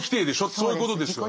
そういうことですよね。